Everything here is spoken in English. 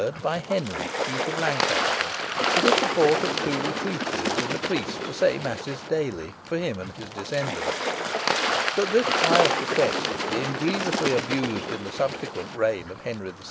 by Henry, Duke of Lancaster, for the support of two recluses and a priest to say masses daily for him and his descendants; but this pious bequest being grievously abused in the subsequent reign of Henry VI.